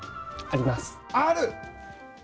ある？